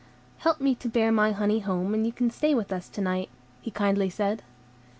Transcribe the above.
"Help me to bear my honey home, and you can stay with us tonight," he kindly said.